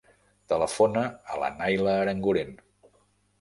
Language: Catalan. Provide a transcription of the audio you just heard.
Telefona a la Nayla Aranguren.